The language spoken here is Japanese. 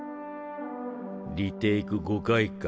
リテイク５回か